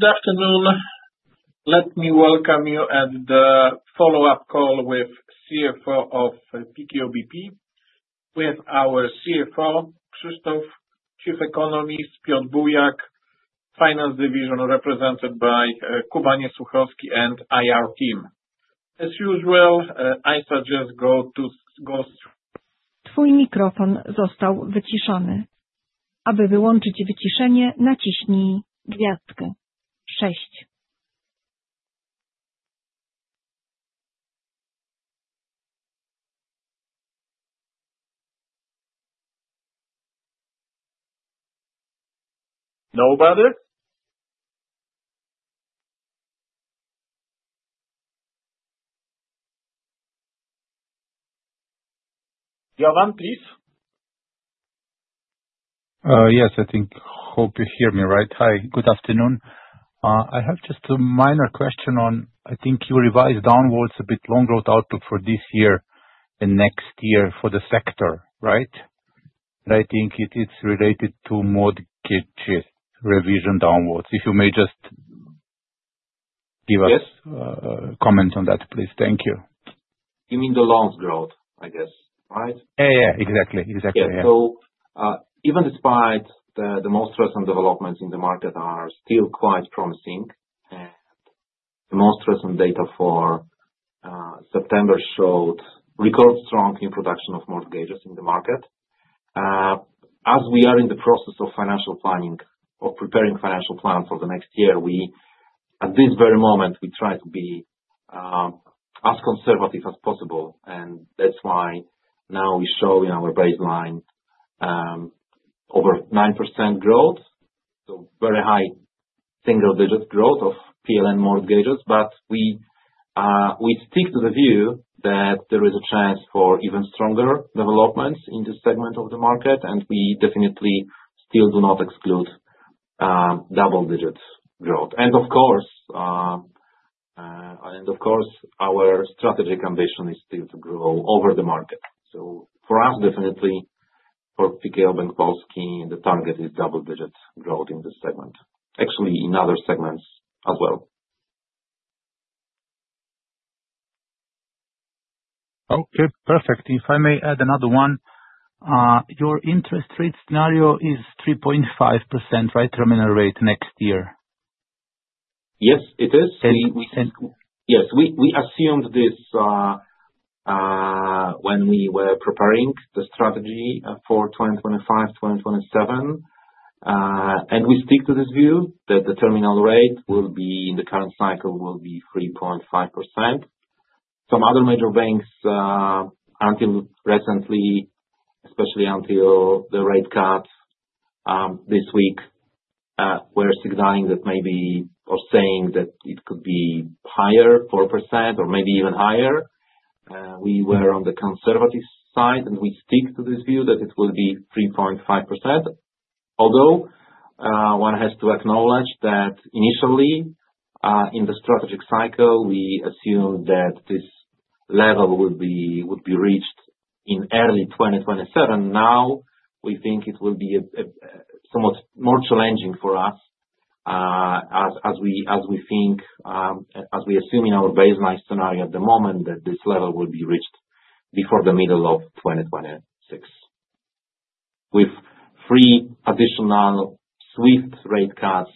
Good afternoon. Let me welcome you and follow-up call with CFO of PQBP with our CFO, Christophe, chief economist, Piotr Bujak, finance division represented by Kobania Suhowski and IR team. As usual, I suggest go to go Nobody? Yaron, please. Yes. I think hope you hear me right. I have just a minor question on I think you revised downwards a bit loan growth outlook for this year and next year for the sector. Right? I think it is related to mortgage revision downwards. If you may just give us comment on that, please. Thank you. You mean the loans growth, I guess. Right? Yeah. Yeah. Exactly. Exactly. Yeah. So even despite the the most recent developments in the market are still quite promising, the most recent data for September showed record strong in production of mortgages in the market. As we are in the process of financial planning or preparing financial plan for the next year, we at this very moment, we try to be as conservative as possible, and that's why now we show in our baseline over 9% growth, so very high single digit growth of PLN mortgages, but we stick to the view that there is a chance for even stronger developments in this segment of the market, and we definitely still do not exclude double digits growth. And, of course and, of course, our strategic ambition is still to grow over the market. So for us, definitely, for PKL and Polsky, the target is double digit growth in this segment, actually, in other segments as well. Okay. Perfect. If I may add another one. Your interest rate scenario is 3.5%, right, terminal rate next year? Yes, it is. Yes. We assumed this when we were preparing the strategy for 2025, 2027, and we stick to this view that the terminal rate will be the current cycle will be 3.5%. Some other major banks until recently, especially until the rate cuts this week, we're signaling that maybe or saying that it could be higher, 4% or maybe even higher. We were on the conservative side, and we speak to this view that it will be 3.5%. Although one has to acknowledge that initially in the strategic cycle, we assume that this level would be would be reached in early twenty twenty seven. Now we think it will be somewhat more challenging for us as as we as we think as we assume in our baseline scenario at the moment that this level will be reached before the 2026. With three additional sweep rate cuts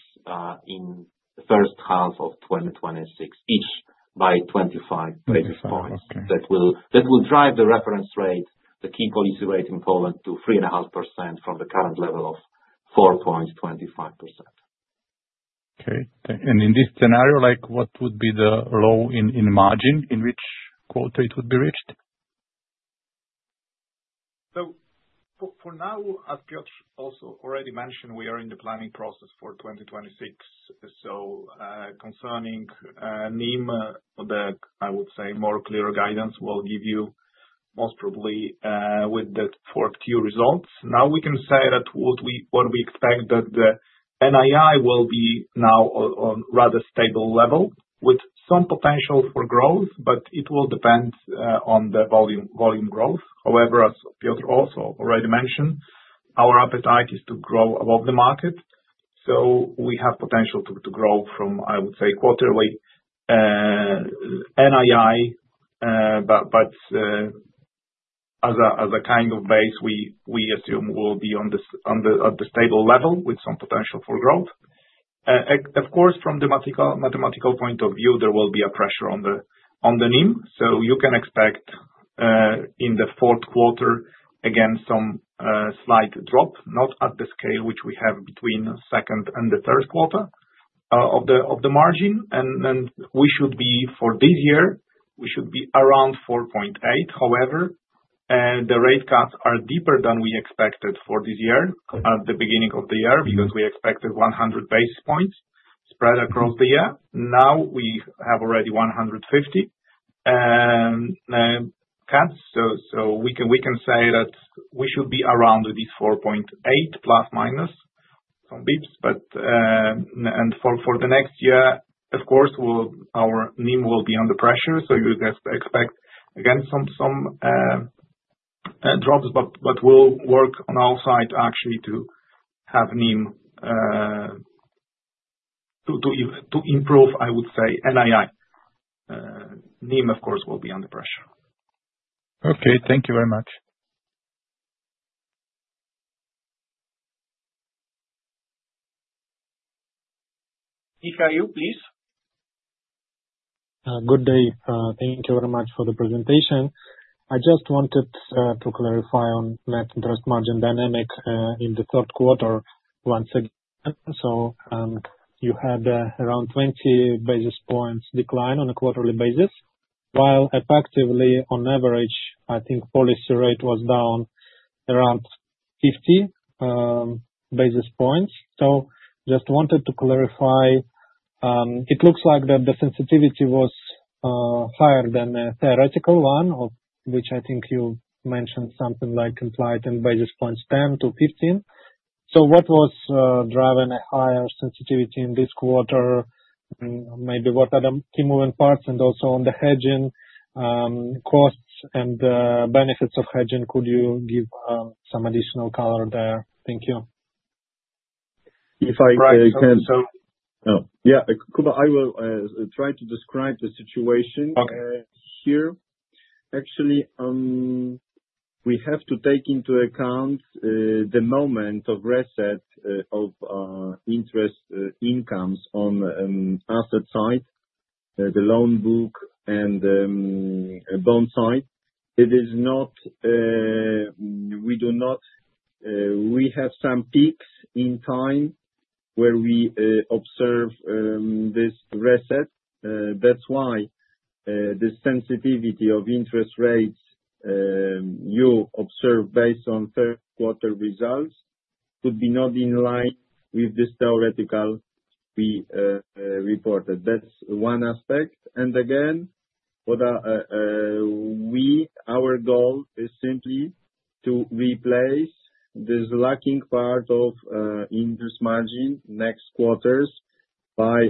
in the 2026, each by 25 basis That will drive the reference rate, the key policy rate in Poland to 3.5% from the current level of 4.25%. Okay. And in this scenario, like what would be the low in margin in which quarter it would be reached? So for now, as Piotr also already mentioned, we are in the planning process for 2026. So concerning NIM, I would say more clear guidance, we'll give you most probably with the 4Q results. Now we can say that what we expect that the NII will be now on rather stable level with some potential for growth, but it will depend on the volume growth. However, as Piotr also already mentioned, our appetite is to grow above the market. So we have potential to grow from, I would say, quarterly NII, but as a kind of base we assume will be on the stable level with some potential for growth. Of course, from the mathematical point of view, there will be a pressure on the NIM. So you can expect in the fourth quarter, again, some slight drop, not at the scale which we have between second and the third quarter of the margin. And we should be for this year, we should be around 4.8. However, the rate cuts are deeper than we expected for this year at the beginning of the year because we expected 100 basis points spread across the year. Now we have already 150 cuts. So we say that we should be around this 4.8 plusminus bps. But and for the next year, of course, NIM will be under pressure. So you expect again some drops, we'll work on our side actually to have NIM to improve, I would say, NII. NIM, of course, will be under pressure. Thank you very much. If are you, please? Good day. Thank you very much for the presentation. I just wanted to clarify on net interest margin dynamic in the third quarter once again. So you had around 20 basis points decline on a quarterly basis, while effectively on average, I think policy rate was down around 50 basis points. So just wanted to clarify. It looks like that the sensitivity was higher than the theoretical one of which I think you mentioned something like implied in basis points 10 to 15. So what was driving a higher sensitivity in this quarter? Maybe what are the key moving parts? And also on the hedging costs and benefits of hedging, could you give some additional color there? You. I So can Oh, yeah. Kuba, I will try to describe the situation Okay. Here. Actually, we have to take into account the moment of reset of interest incomes on asset side, the loan book and the bond side. It is not we do not we have some peaks in time where we observe this reset. That's why the sensitivity of interest rates you observe based on third quarter results could be not in line with this theoretical we reported. That's one aspect. And again, for the we our goal is simply to replace this lacking part of interest margin next quarters by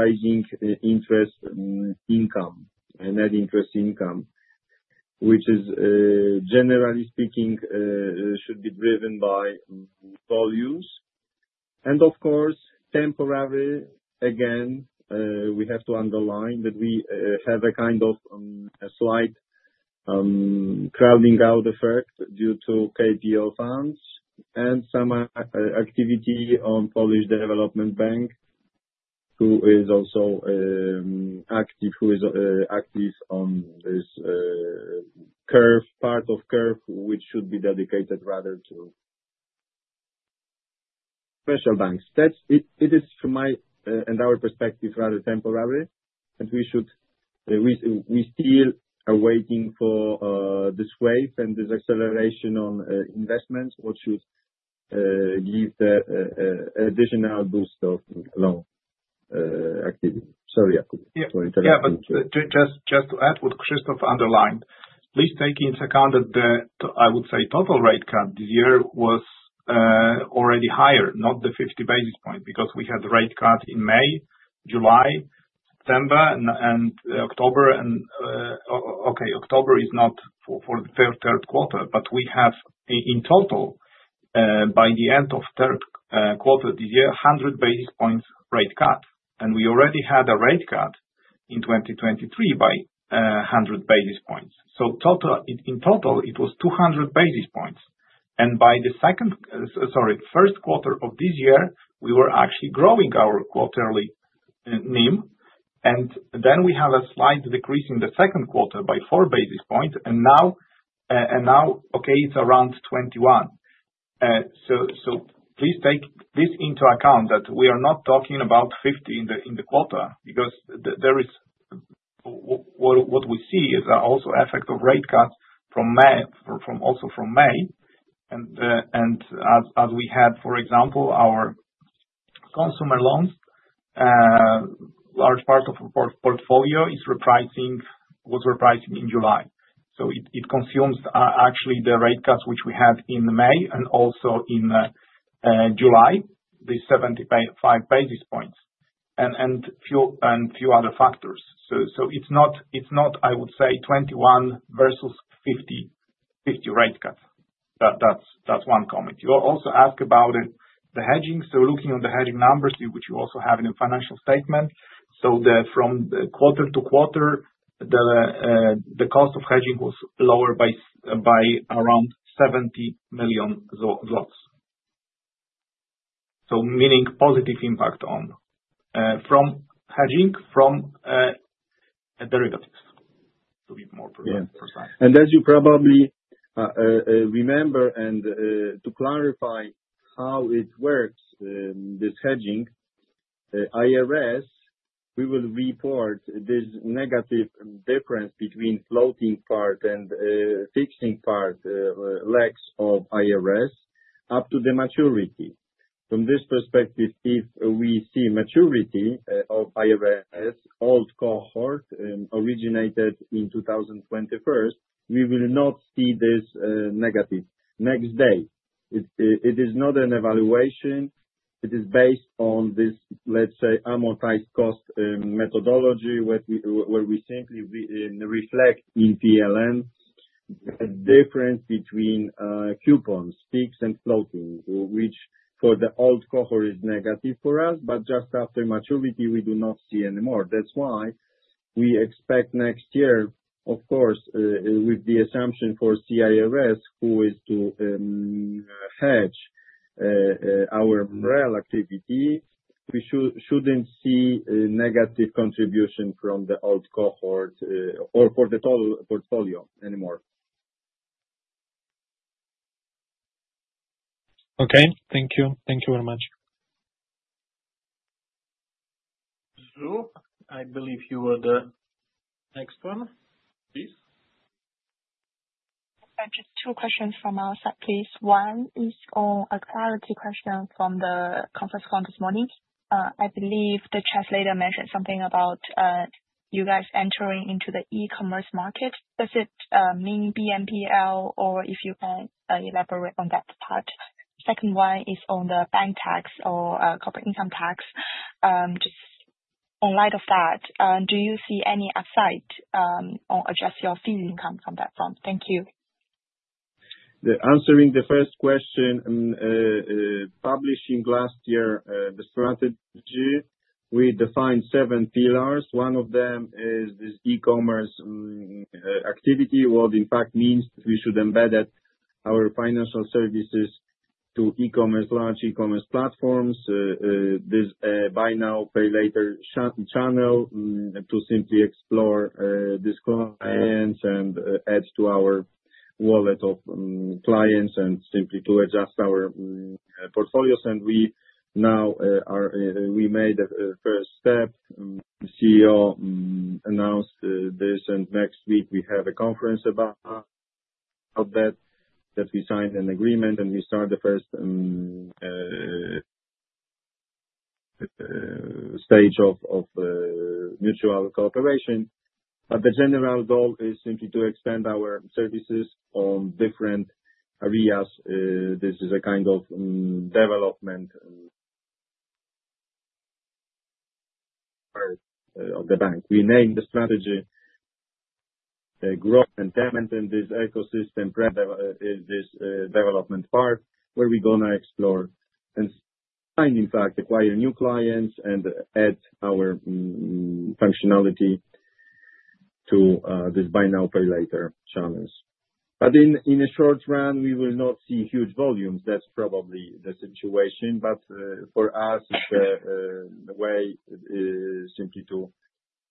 rising interest income and net interest income, which is, generally speaking, should be driven And, of course, temporary, again, we have to underline that we have a kind of a slight crowding out effect due to KPO funds and some activity on Polish Development Bank who is also active who is active on this curve part of curve, which should be dedicated rather to special banks. That's it it is from my and our perspective rather temporary, and we should we we still are waiting for this wave and this acceleration on investments, which should give additional boost of loan activity. Sorry, I could Yeah. But just to add what Christoph underlined, please take into account that the, I would say, total rate cut this year was already higher, not the 50 basis points because we had the rate cut in May, July, September and October. And okay, is not for the third quarter, but we have in total by the end of third quarter this year, 100 basis points rate cut. And we already had a rate cut in 2023 by 100 basis points. So in total, it was 200 basis points. And by the second sorry, first quarter of this year, we were actually growing our quarterly NIM. And then we have a slight decrease in the second quarter by four basis points. And now, okay, it's around 21. So please take this into account that we are not talking about 50 in the quarter because there is what we see is also effect of rate cuts from May also from May. And as we had, for example, our consumer loans, large part of our portfolio is repricing was repricing in July. So it consumes actually the rate cuts which we had in May and also in July, the 75 basis points and few other factors. So it's I would say, one versus 50 rate cuts. That's one comment. You also asked about the hedging. So looking on the hedging numbers, which you also have in your financial statement. So from quarter to quarter, the cost of hedging was lower by around 70,000,000 lots. So meaning positive impact on from hedging, from derivatives to be more precise. And as you probably remember and to clarify how it works, this hedging, IRS, we will report this negative difference between floating part and fixing part, legs of IRS up to the maturity. From this perspective, if we see maturity of IRS old cohort originated in February, we will not see this negative next day. It it is not an evaluation. It is based on this, let's say, amortized cost methodology where we where we simply reflect in PLM, the difference between coupons, peaks and floating, which for the old cohort is negative for us, but just after maturity we do not see anymore. That's why we expect next year, of course, with the assumption for CIRS who is to hedge our MREL activity, we should shouldn't see a negative contribution from the old cohort or for the total portfolio anymore. Thank you. Thank you very much. So I believe you are the next one, please. Just two questions from our side, please. One is a clarity question from the conference call this morning. I believe the translator mentioned something about you guys entering into the e commerce market. Does it mean BNPL or if you can elaborate on that part? Second one is on the bank tax or corporate income tax. Just in light of that, do you see any upside or adjust your fee income from that front? Thank you. Answering the first question, publishing last year, the strategy, we defined seven pillars. One of them is this ecommerce activity. What impact means we should embed that our financial services to ecommerce large ecommerce platforms. This buy now, pay later channel to simply explore this and add to our wallet of clients and simply to adjust our portfolios. And we now are we made a first step. The CEO announced this, and next week, we have a conference about of that that we signed an agreement, and we start the first stage of of mutual cooperation. But the general goal is simply to extend our services on different areas. This is a kind of development part of the bank. We named the strategy growth and payment in this ecosystem, this development part where we're gonna explore and find, in fact, acquire new clients and add our functionality to this buy now, pay later channels. But in in a short run, we will not see huge volumes. That's probably the situation. But for us, the way simply to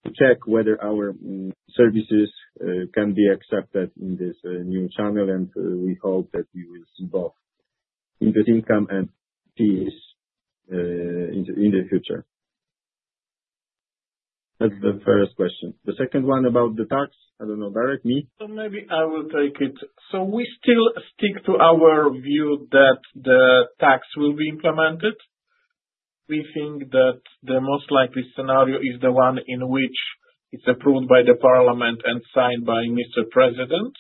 to check whether our services can be accepted in this new channel, and we hope that we will see both interest income and fees in the in the future? That's the first question. The second one about the tax, I don't know. Derek, me? So maybe I will take it. So we still stick to our view that the tax will be implemented. We think that the most likely scenario is the one in which it's approved by the parliament and signed by Mr. President.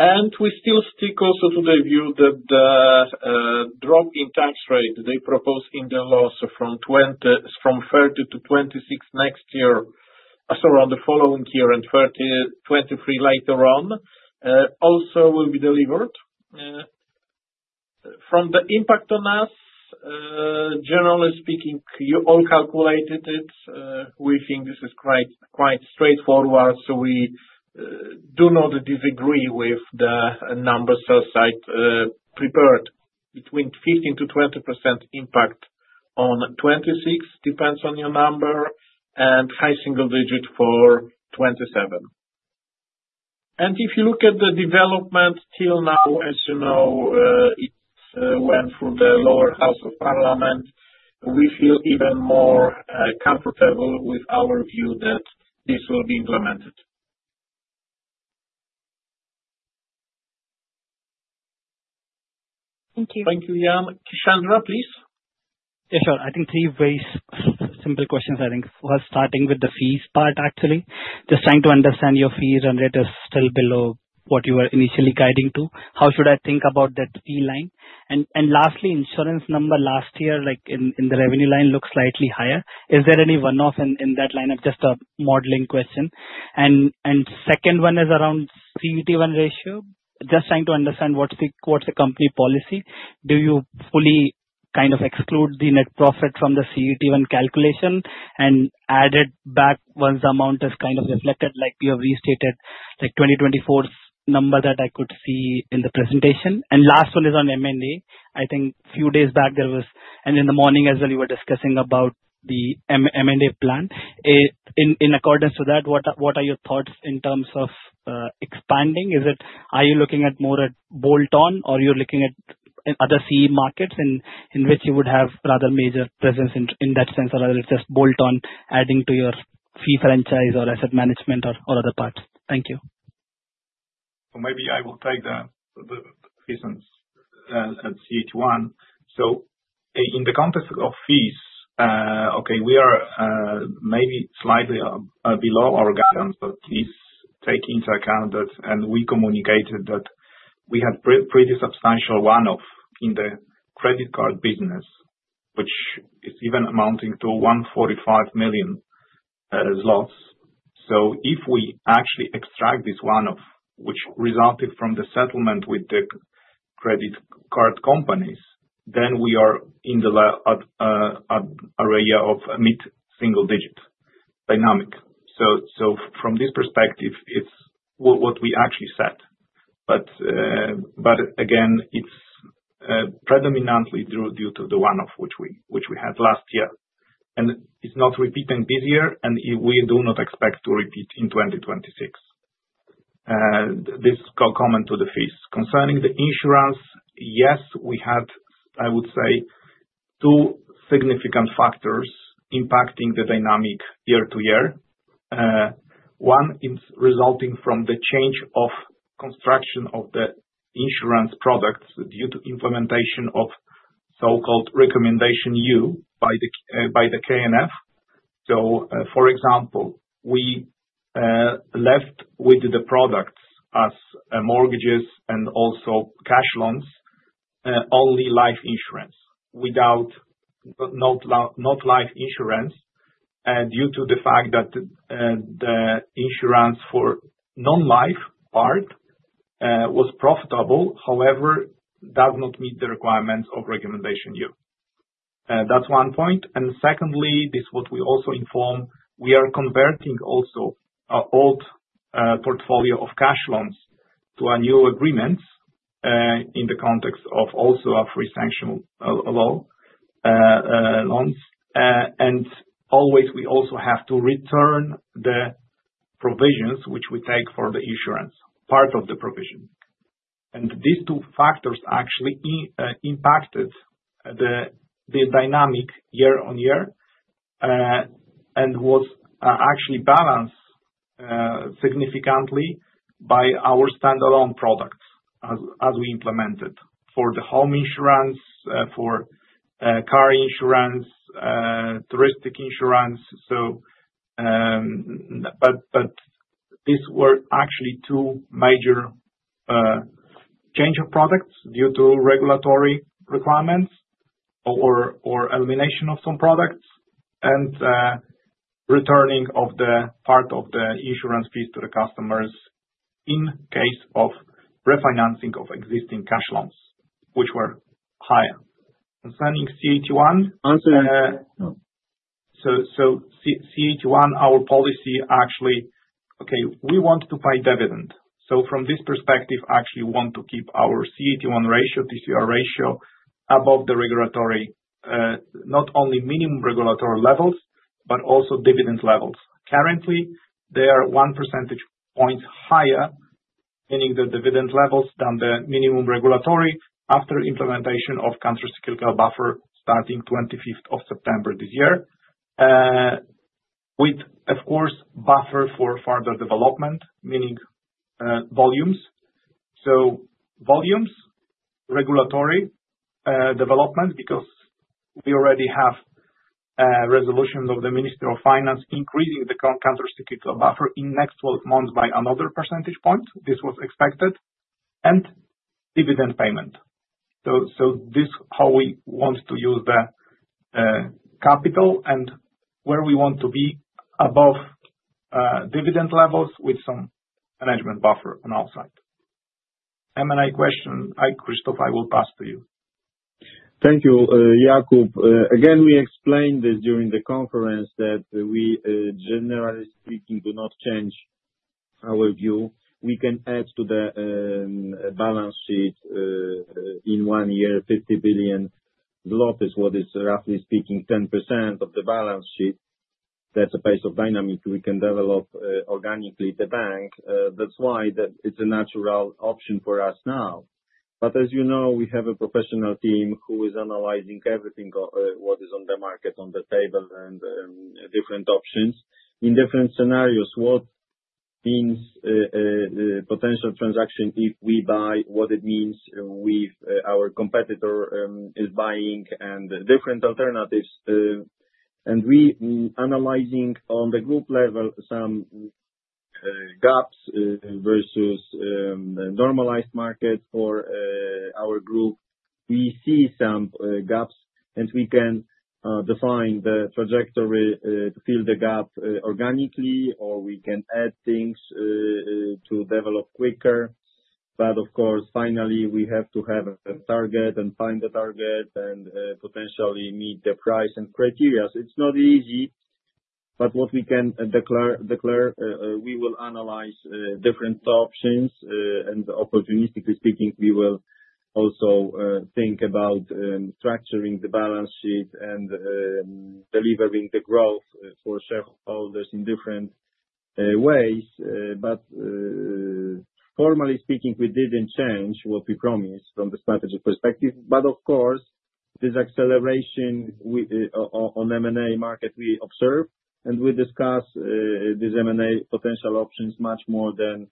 And we still stick also to the view that the drop in tax rate they proposed in the loss from 20 from 30 to 26 next year, so around the following year and 23 later on also will be delivered. From the impact on us, generally speaking, you all calculated it. We think this is quite quite straightforward. So we do not disagree with the numbers of site prepared between 15% to 20% impact on 26%, depends on your number, and high single digit for 27%. And if you look at the development, till now, as you know, it went from the lower house of parliament. We feel even more comfortable with our view that this will be implemented. Thank you. Thank you, Yam. Kishandra, please. Yeah. Sure. I think three very simple questions, I think. Well, starting with the fees part, actually. Just trying to understand your fees and rate is still below what you were initially guiding to. How should I think about that fee line? And lastly, insurance number last year, like in the revenue line, looks slightly higher. Is there any one off in that line? Just a modeling question. And second one is around CET1 ratio. Just trying to understand what's the company policy. Do you fully kind of exclude the net profit from the CET1 calculation and add it back once the amount is kind of reflected like you have restated like 2024 number that I could see in the presentation? And last one is on M and A. I think few days back, there was and in the morning, as when you were discussing about the M and A plan. In accordance to that, what are your thoughts in terms of expanding? Is it are you looking at more at bolt on? Or you're looking at other CE markets in which you would have rather major presence that sense or whether it's just bolt on adding to your fee franchise or asset management or other parts? Thank you. So maybe I will take the the reasons CH1. So in the context of fees, okay, we are maybe slightly below our guidance, but please take into account that and we communicated that we have pretty substantial one off in the credit card business, which is even amounting to 145,000,000 loss. So if we actually extract this one off, which resulted from the settlement with the credit card companies, then we are in the area of mid single digit dynamic. So from this perspective, it's what we actually said. But again, it's predominantly due to the one off which we had last year. And it's not repeating this year and we do not expect to repeat in 2026. And this comment to the fees. Concerning the insurance, yes, we had, I would say, two significant factors impacting the dynamic year to year. One is resulting from the change of construction of the insurance products due to implementation of so called recommendation U by the KNF. So for example, we left with the products as mortgages and also cash loans, only life insurance without not life insurance due to the fact that the insurance for non life part was profitable, however, does not meet the requirements of recommendation you. That's one point. And secondly, this what we also inform, we are converting also our old portfolio of cash loans to our new agreements in the context of also our free sanction loan loans. And always, we also have to return the provisions, which we take for the issuance, part of the provision. And these two factors actually impacted the dynamic year on year and was actually balanced significantly by our standalone products as we implemented for the home insurance, for car insurance, touristic insurance. So but these were actually two major change of products due to regulatory requirements or elimination of some products and returning of the part of the insurance fees to the customers in case of refinancing of existing cash loans, which were higher. Concerning CET1 So CET1, our policy actually, okay, we want to pay dividend. So from this perspective, actually, we want to keep our CET1 ratio, TCR ratio above the regulatory, not only minimum regulatory levels, but also dividend levels. Currently, they are one percentage points higher, meaning the dividend levels than the minimum regulatory after implementation of countercyclical buffer starting September 25, with of course buffer for further development, meaning volumes. So volumes, regulatory development, because we already have resolutions of the Minister of Finance increasing the current countercyclical buffer in next twelve months by another percentage point, this was expected, and dividend payment. So this how we want to use the capital and where we want to be above dividend levels with some management buffer on our side. M and A question, Christophe, I will pass to you. Thank you, Jakob. Again, we explained this during the conference that we generally speaking do not change our view. We can add to the balance sheet in one year fifty billion euros The lot is what is roughly speaking 10% of the balance sheet. That's a pace of dynamic we can develop organically the bank. That's why that it's a natural option for us now. But as you know, we have a professional team who is analyzing everything, what is on the market on the table and different options in different scenarios. What means potential transaction if we buy? What it means with our competitor is buying and different alternatives? And we analyzing on the group level some gaps versus normalized market for our group. We see some gaps, and we can define the trajectory to fill the gap organically, or we can add things to develop quicker. But, of course, finally, we have to have a target and find the target and potentially meet the price and criteria. So it's not easy, but what we can declare, we will analyze different options and opportunistically speaking, we will also think about structuring the balance sheet and delivering the growth for shareholders in different ways. But formally speaking, we didn't change what we promised from the strategy perspective. But of course, this acceleration on M and A market we observe, and we discuss this m and a potential options much more than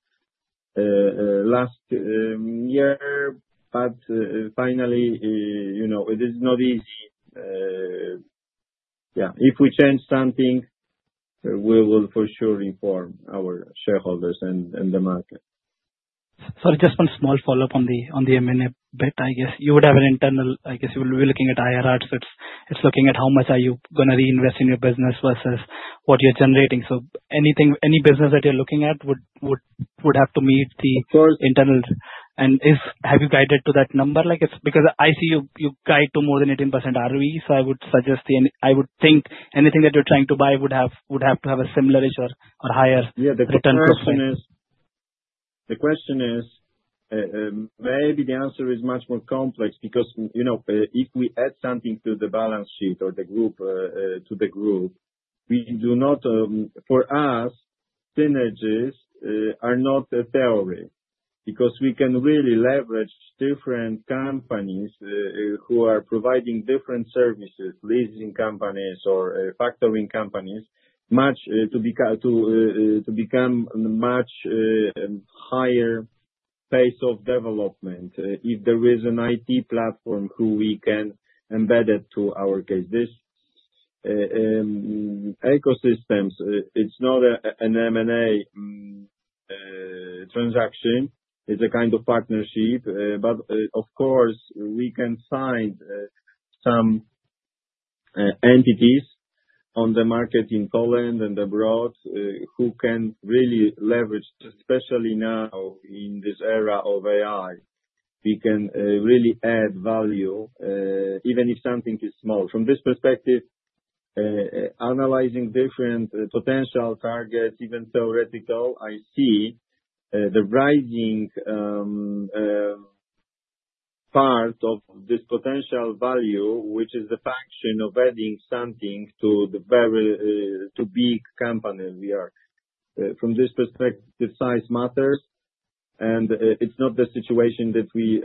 last year. But, finally, you know, it is not easy. Yeah. If we change something, we will for sure inform our shareholders and and the market. Sorry. Just one small follow-up on the on the M and A bit. I guess, you would have an internal I guess, you will be looking at IRR. So it's it's looking at how much are you going to reinvest in your business versus what you're generating. So anything, any business that you're looking at would have to meet the internal and if have you guided to that number? Like it's because I see you guide to more than 18% ROE, so I would suggest the I would think anything that you're trying to buy would have would have to have a similar issue or or higher Yeah. The question is the question is, maybe the answer is much more complex because, you know, if we add something to the balance sheet or the group to the group, we do not for us, synergies are not a theory because we can really leverage different companies who are providing different services, leasing companies or factoring companies much to be to to become much higher pace of development. If there is an IT platform who we can embedded to our case, this ecosystems, it's not an m and a transaction. It's a kind of partnership. But, of course, we can find some entities on the market in Poland and abroad who can really leverage, especially now in this era of AI, we can really add value even if something is small. From this perspective, analyzing different potential targets even theoretical, I see the rising part of this potential value, which is the function of adding something to the very to big company we are. From this perspective, size matters, and it's not the situation that we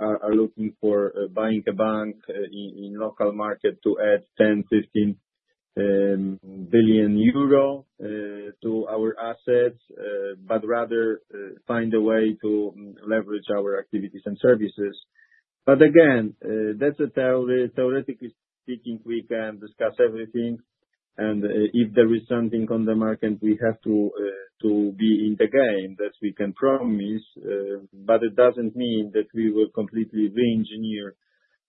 are looking for buying a bank in local market to add $1,015,000,000,000 euro to our assets, but rather find a way to leverage our activities and services. But again, that's a tale that we can discuss everything. And if there is something on the market, we have to to be in the game that we can promise, but it doesn't mean that we will completely reengineer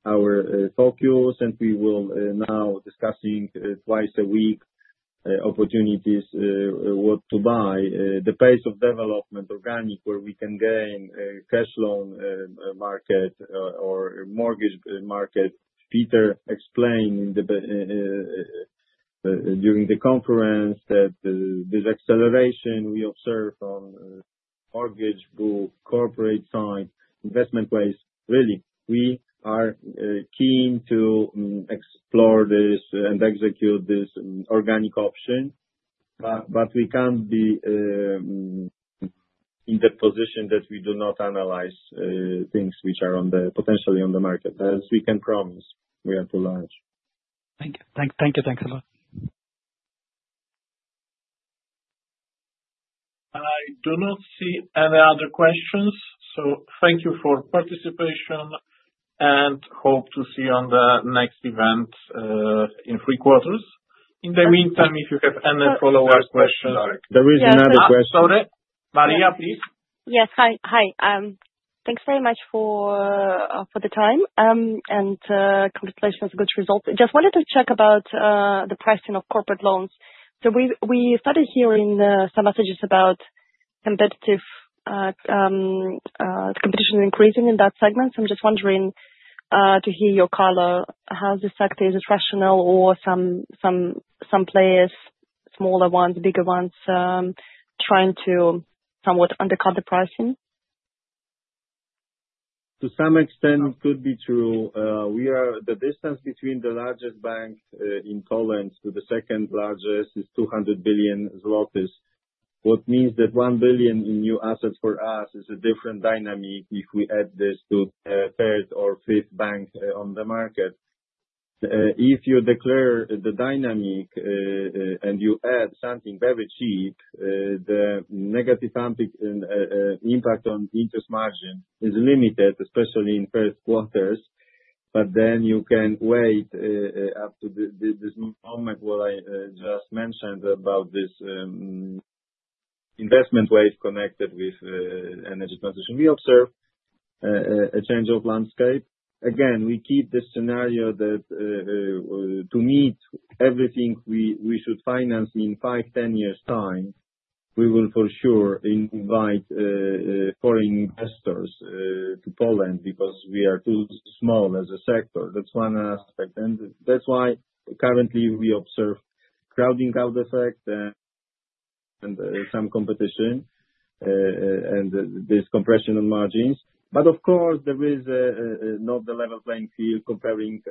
our focus, and we will now discussing twice a week opportunities what to buy. The pace of development organic where we can gain cash loan market mortgage market, Peter explained during the conference that this acceleration we observed from mortgage group, corporate side, investment place, really, we are keen to explore this and execute this organic option, but but we can't be in the position that we do not analyze things which are on the potentially on the market. As we can promise, we have to launch. I do not see any other questions. So thank you for participation and hope to see you on the next event in three quarters. In the meantime, if you have any follow-up questions, sorry. There is another question. Maria, please. Yes. Hi. Congratulations on good results. I just wanted to check about the pricing of corporate loans. So we started hearing some messages about competitive competition increasing in that segment. So I'm just wondering to hear your color how the sector is rational or some players, smaller ones, bigger ones trying to somewhat undercut the pricing? To some extent, it could be true. We are the distance between the largest bank in Poland to the second largest is 200 billion zlotys. What means that 1,000,000,000 in new assets for us is a different dynamic if we add this to third or fifth bank on the market. If you declare the dynamic and you add something very cheap, the negative impact on interest margin is limited, especially in first quarters. But then you can wait after this moment what I just mentioned about this investment way connected with energy transition. We observed a change of landscape. Again, we keep the scenario that to meet everything we we should finance in five, ten years time, we will for sure invite foreign investors to Poland because we are too small as a sector. That's one aspect. And that's why currently, we observe crowding out effect and some competition and this compression on margins. But, of course, there is not the level playing field comparing